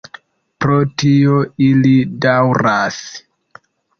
Pro tio ili daŭras.